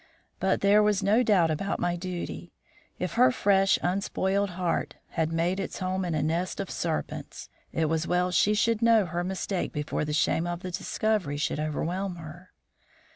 But there was no doubt about my duty. If her fresh, unspoiled heart had made its home in a nest of serpents, it was well she should know her mistake before the shame of the discovery should overwhelm her.